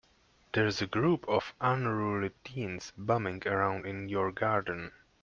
There's a group of unruly teens bumming around in your garden.